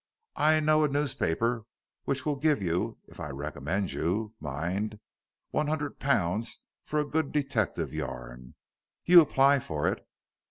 "I know a newspaper which will give you if I recommend you, mind one hundred pounds for a good detective yarn. You apply for it."